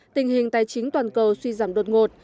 tình hình tài chính toàn cầu suy giảm đột ngột